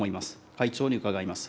会長に伺います。